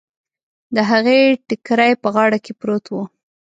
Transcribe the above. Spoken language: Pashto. د هغې ټکری په غاړه کې پروت و.